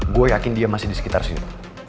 gue yakin dia masih di sekitar sini